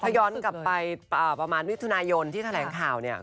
ถ้าย้อนกลับไปประมาณมิถุนายนที่แถลงข่าวเนี่ย